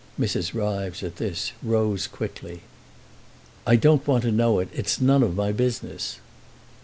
Mrs. Ryves, at this, rose quickly. "I don't want to know it; it's none of my business."